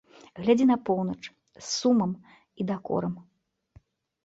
Глядзі на поўнач з сумам і дакорам.